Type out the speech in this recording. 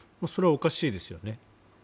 それはおかしいですよね。